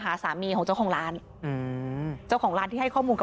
อ่ะพี่งั้นเปลี่ยนพูดคุณค่ะ